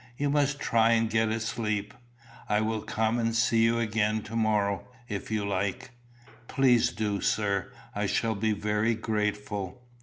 You must try and get a sleep. I will come and see you again to morrow, if you like." "Please do, sir; I shall be very grateful."